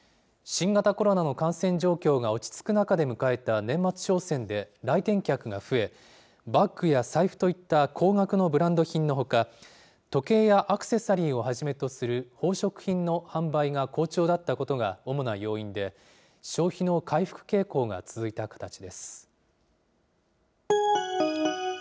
新型コロナの感染状況が落ち着く中で迎えた年末商戦で来店客が増え、バッグや財布といった高額のブランド品のほか、時計やアクセサリーをはじめとする宝飾品の販売が好調だったことが主な要因で、消費の回復傾向が続いた形です。